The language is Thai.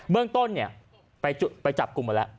เมืองต้นเนี่ยไปจับกลุ่มมาแล้ว